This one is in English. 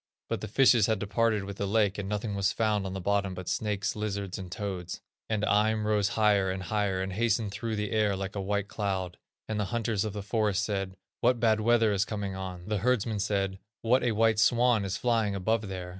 But the fishes had departed with the lake, and nothing was found on the bottom but snakes, and lizards, and toads. And Eim rose higher, and higher, and hastened through the air like a white cloud. And the hunters in the forest said: 'What bad weather is coming on!' The herdsmen said: 'What a white swan is flying above there!